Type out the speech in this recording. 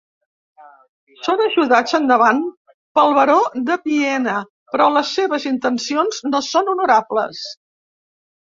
Són ajudats endavant pel Baró de Viena, però les seves intencions no són honorables.